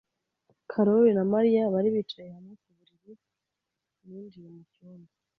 Karoli na Mariya bari bicaye hamwe ku buriri ninjiye mu cyumba.